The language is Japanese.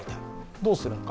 どうするのか。